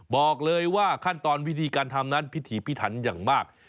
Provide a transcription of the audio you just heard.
บอกเลยว่าขั้นตอนวิธีการทำนั้นพิถีพิถันอย่างมาก